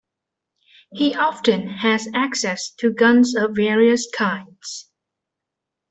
He often has access to guns of various kinds.